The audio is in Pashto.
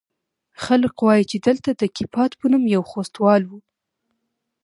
خلق وايي چې دلته د کيپات په نوم يو خوستوال و.